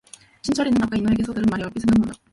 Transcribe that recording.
신철이는 아까 인호에게서 들은 말이 얼핏 생각난다.